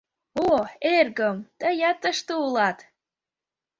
— О, эргым, тыят тыште улат!